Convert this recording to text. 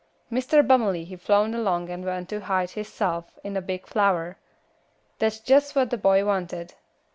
"Mr. Bummely he flown along and went to hide hissef in a big flower. That's jess what the boy wanted.